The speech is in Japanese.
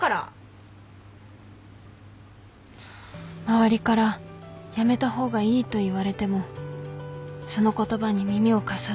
周りからやめた方がいいと言われてもその言葉に耳を貸さず